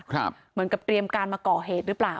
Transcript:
เหมือนกับเตรียมการมาก่อเหตุหรือเปล่า